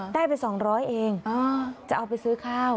ได้ไป๒๐๐เองจะเอาไปซื้อข้าว